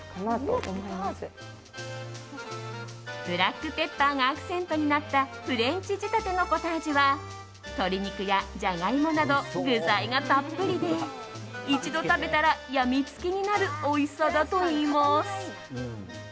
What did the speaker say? ブラックペッパーがアクセントになったフレンチ仕立てのポタージュは鶏肉やジャガイモなど具材がたっぷりで一度食べたら病み付きになるおいしさだといいます。